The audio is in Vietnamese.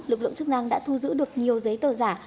lực lượng chức năng đã thu giữ được nhiều giấy tờ giả